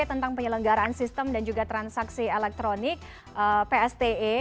tentang penyelenggaraan sistem dan juga transaksi elektronik pst